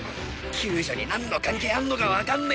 救助に何の関係あんのかわかんね